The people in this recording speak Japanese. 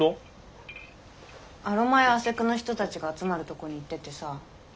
アロマやアセクの人たちが集まるとこに行っててさ。